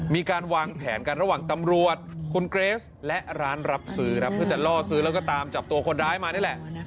มีการวางแผนกันระหว่างตำรวจคุณเกรสและร้านรับซื้อครับเพื่อจะล่อซื้อแล้วก็ตามจับตัวคนร้ายมานี่แหละ